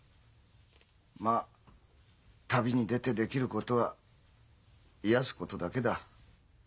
まあ旅に出てできることは癒やすことだけだ。